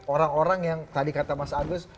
orang orang yang tadi kata mas agus